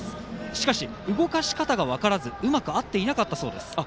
しかし、動かし方が分からずうまく合っていなかったそうです。